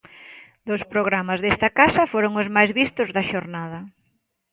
Dous programas desta casa foron os máis vistos da xornada.